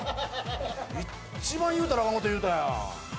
一番言うたらアカン事言うたやん。